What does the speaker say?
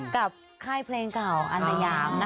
กับไค้เพลงเก่าอันยาม